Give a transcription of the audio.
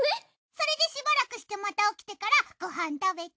それでしばらくしてまた起きてからごはん食べて。